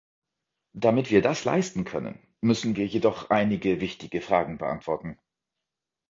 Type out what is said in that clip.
Damit wir das leisten können, müssen wir jedoch einige wichtige Fragen beantworten.